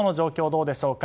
どうでしょうか。